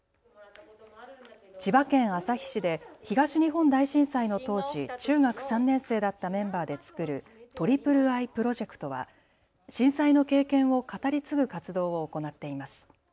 千葉県旭市で東日本大震災の当時、中学３年生だったメンバーで作るｉｉｉｐｒｏｊｅｃｔは震災の経験を語り継ぐ活動を行っています。